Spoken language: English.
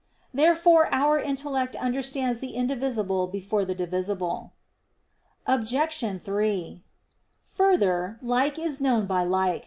Therefore our intellect understands the indivisible before the divisible. Obj. 3: Further, "Like is known by like."